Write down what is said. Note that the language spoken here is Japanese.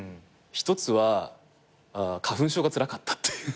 １つは花粉症がつらかったっていう。